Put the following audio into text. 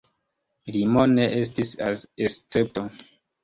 Limo ne estis escepto.